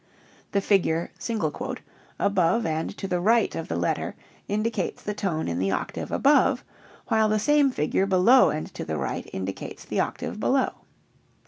The figure ' above and to the right of the letter indicates the tone in the octave above, while the same figure below and to the right indicates the octave below.